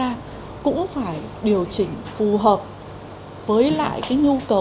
hành khách hiện nay cũng phải điều chỉnh phù hợp với lại cái nhu cầu